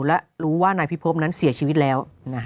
และรู้ว่านายพิพบนั้นเสียชีวิตแล้ว